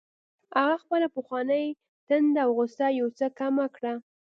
هغه خپله پخوانۍ تنده او غوسه یو څه کمه کړه